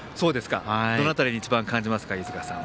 どの辺りに一番感じますか。